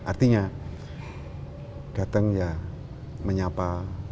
artinya datang ya menyapa